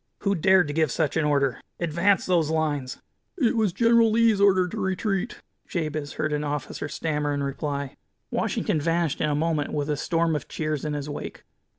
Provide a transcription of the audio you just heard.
Who dared to give such an order? Advance those lines " "It was General Lee's order to retreat," Jabez heard an officer stammer in reply. Washington vanished in a moment, with a storm of cheers in his wake.